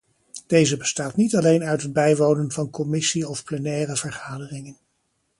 Deze bestaat niet alleen uit het bijwonen van commissie- of plenaire vergaderingen.